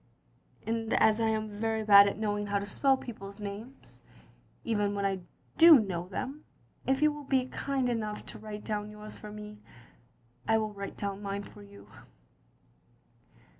" And as I ani very bad at knowing how to spell people's OP GROSVENOR SQUARE 125 names,— ^ven when I do know them, if you will be kind enough to write down yotu^ for me, I will write down mine for you.